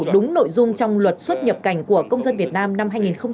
dùng trong luật xuất nhập cảnh của công dân việt nam năm hai nghìn một mươi chín